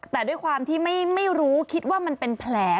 แต่ด้วยความที่ไม่รู้คิดว่ามันเป็นแผล